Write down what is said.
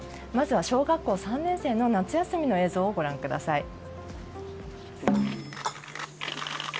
まずは小学校３年生の夏休みの映像をご覧ください。